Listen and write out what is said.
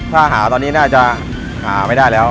ถ้าน่าจะหาไม่ได้แล้ว